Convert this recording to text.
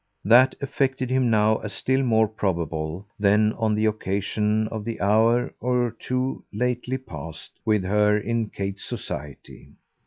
That affected him now as still more probable than on the occasion of the hour or two lately passed with her in Kate's society.